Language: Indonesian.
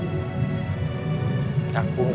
aku gak akan ada rahasia lagi